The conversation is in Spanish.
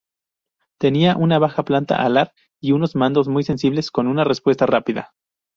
Tenía una baja planta alar, y unos mandos muy sensibles con una respuesta rápida.